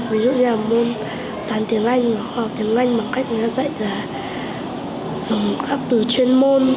ví dụ như là môn tàn tiếng anh và khoa học tiếng anh bằng cách người ta dạy là dùng các từ chuyên môn